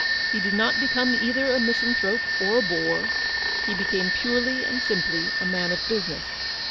He did not become either a misanthrope or a bore. He became purely and simply a man of business.